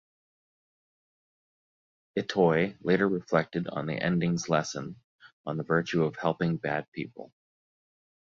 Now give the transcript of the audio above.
Itoi later reflected on the ending's lesson on the virtue of helping bad people.